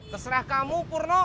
terserah kamu purno